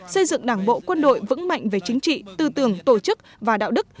xây dựng đảng bộ quân đội vững mạnh về chính trị tư tưởng tổ chức và đạo đức